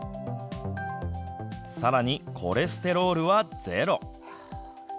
さらにコレステロールはゼロ。